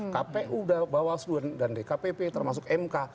kpu bawaslu dan dkpp termasuk mk